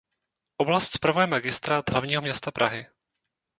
Oblast spravuje Magistrát hlavního města Prahy.